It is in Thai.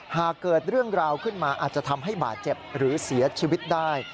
หากเกิดเรื่องราวขึ้นมาอาจจะทำให้บาดเจ็บหรือเสียชีวิตได้